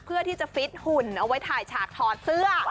เพื่อที่จะฟิตหุ่นเอาไว้ถ่ายฉากถอดเสื้อ